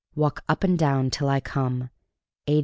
Walk up and down till I come. A.